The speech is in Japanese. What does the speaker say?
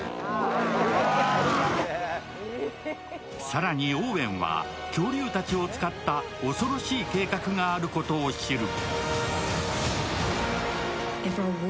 更に、オーウェンは恐竜たちを使った恐ろしい計画があることを知る。